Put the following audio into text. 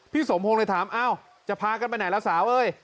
พี่สมพงศ์เลยถามอ้าวจะพากันไปไหนแล้วสาว